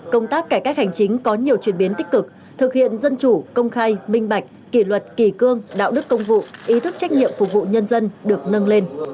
công tác cải cách hành chính có nhiều chuyển biến tích cực thực hiện dân chủ công khai minh bạch kỷ luật kỳ cương đạo đức công vụ ý thức trách nhiệm phục vụ nhân dân được nâng lên